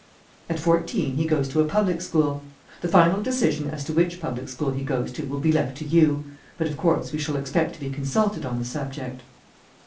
"At fourteen he goes to a public school. The final decision as to which public school he goes to will be left to you, but, of course, we shall expect to be consulted on the subject."